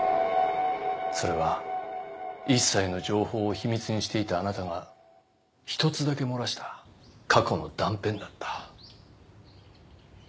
それは一切の情報を秘密にしていたあなたが一つだけ漏らした過去の断片だった。